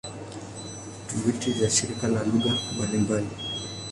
Tovuti ya shirika kwa lugha mbalimbali